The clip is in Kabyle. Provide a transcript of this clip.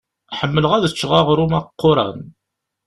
Ḥemmleɣ ad ččeɣ aɣṛum aqquṛan.